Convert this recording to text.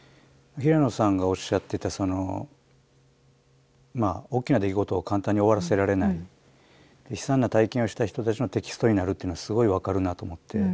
平野さんがおっしゃってた大きな出来事を簡単に終わらせられない悲惨な体験をした人たちのテキストになるっていうのはすごい分かるなと思って。